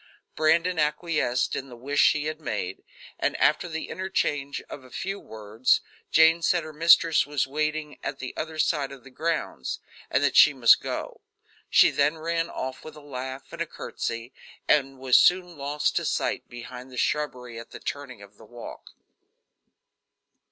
Brandon acquiesced in the wish she had made, and, after the interchange of a few words, Jane said her mistress was waiting at the other side of the grounds, and that she must go. She then ran off with a laugh and a courtesy, and was soon lost to sight behind the shrubbery at the turning of the walk.